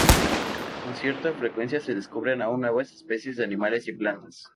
Con cierta frecuencia se descubren aún nuevas especies de animales y plantas.